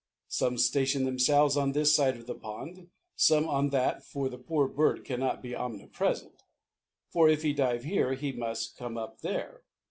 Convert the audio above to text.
Some station themselves on this side of the pond, some on that for the poor bird cannot be omnipresent; if he dive here he must come up there.